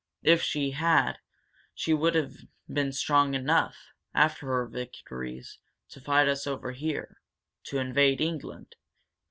If she had, she would have been strong enough, after her victories, to fight us over here to invade England.